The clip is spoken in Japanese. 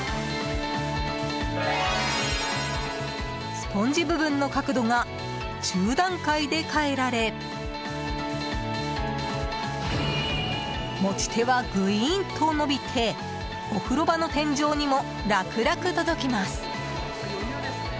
スポンジ部分の角度が１０段階で変えられ持ち手は、ぐいーんと伸びてお風呂場の天井にも楽々届きます。